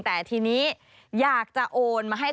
แต่ทีนี้อยากจะโอนมาให้